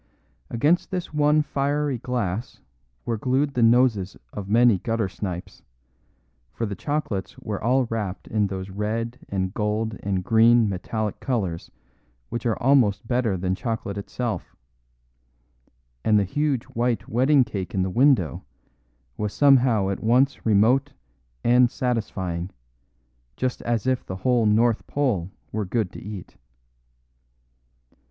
Against this one fiery glass were glued the noses of many gutter snipes, for the chocolates were all wrapped in those red and gold and green metallic colours which are almost better than chocolate itself; and the huge white wedding cake in the window was somehow at once remote and satisfying, just as if the whole North Pole were good to eat.